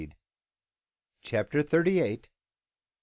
CHAPTER THIRTY EIGHT.